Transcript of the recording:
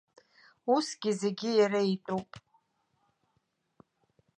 Усгьы зегьы иара итәуп.